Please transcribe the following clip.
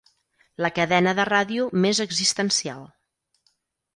La cadena de ràdio més existencial.